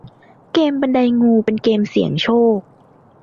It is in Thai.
เกมส์บันไดงูเป็นเกมส์เสี่ยงโชค